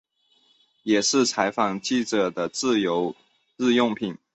也是采访记者的职业日用品。